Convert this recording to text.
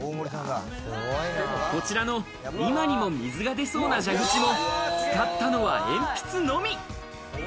こちらの今にも水がでそうな蛇口もあったのは鉛筆のみ。